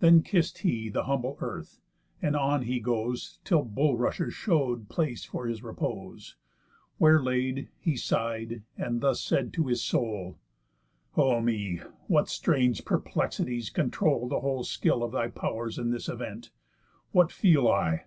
Then kiss'd he th' humble earth; and on he goes, Till bulrushes show'd place for his repose, Where laid, he sigh'd, and thus said to his soul: "O me, what strange perplexities control The whole skill of thy pow'rs in this event! What feel I?